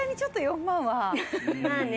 まあね。